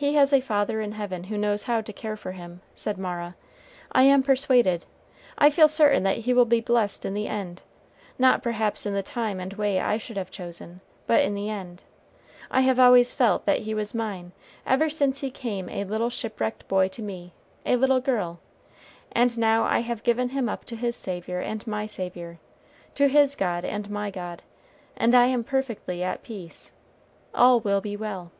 "He has a Father in heaven who knows how to care for him," said Mara. "I am persuaded I feel certain that he will be blessed in the end; not perhaps in the time and way I should have chosen, but in the end. I have always felt that he was mine, ever since he came a little shipwrecked boy to me a little girl. And now I have given him up to his Saviour and my Saviour to his God and my God and I am perfectly at peace. All will be well."